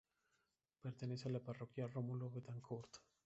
Pertenece a la parroquia Rómulo Betancourt.